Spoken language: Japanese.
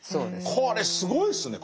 これすごいですね。